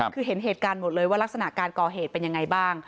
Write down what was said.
คือเห็นเหตุการณ์หมดเลยว่ารักษณะการก่อเหตุเป็นยังไงบ้าง